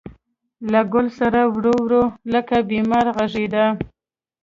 له ګل ســـــــره ورو، ورو لکه بیمار غـــــــږېده